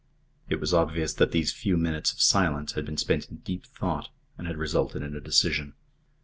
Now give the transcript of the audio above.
It was obvious that these few minutes of silence had been spent in deep thought and had resulted in a decision.